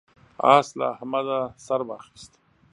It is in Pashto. اس له احمده سر واخيست.